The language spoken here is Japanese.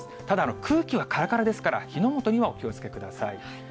ただ、空気はからからですから、火の元にはお気をつけください。